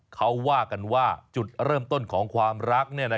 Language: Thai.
เขาว่ากันว่าจุดเริ่มต้นของความรัก